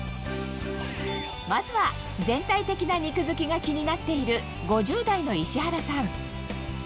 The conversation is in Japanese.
まずは全体的な肉づきが気になっている５０代のイシハラさん